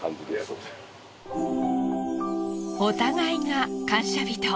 お互いが感謝人。